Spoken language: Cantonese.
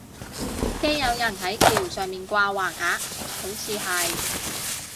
驚有人係橋上面掛橫額，好似係